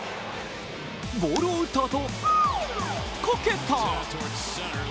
ボールを打ったあと、こけた！